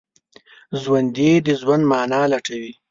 ژوندي د ژوند معنی لټوي